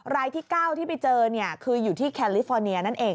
รายที่๙ที่ไปเจอคืออยู่ที่แคลิฟอร์เนียนั่นเอง